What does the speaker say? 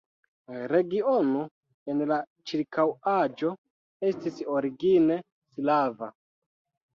Regiono en la ĉirkaŭaĵo estis origine slava.